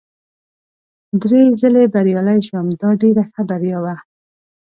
درې ځلي بریالی شوم، دا ډېره ښه بریا وه.